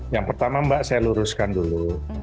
yang pertama mbak saya luruskan dulu